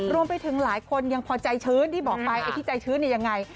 รวมไปถึงหลายคนยังพอใจชื้นที่บอกไปไอ้ที่ใจชื้นเนี่ยยังไง